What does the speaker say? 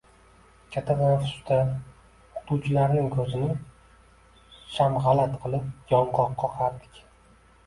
Katta tanaffusda o‘qituvchilarning ko‘zini shamg‘alat qilib, yong‘oq qoqardik.